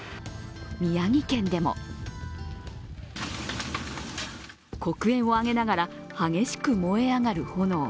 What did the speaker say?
宮城県でも黒煙を上げながら激しく燃える炎。